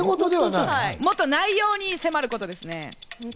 もっと内容に迫ることですね。